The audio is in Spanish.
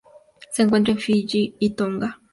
Se encuentra en Fiyi y Tonga.